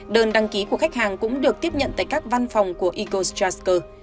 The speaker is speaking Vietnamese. đơn đăng ký của khách hàng cũng được tiếp nhận tại các văn phòng của igor shcharsko